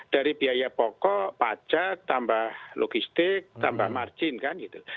dari biaya pokok pajak tambah logistik tambah margin kan gitu